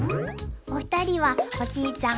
お二人はおじいちゃん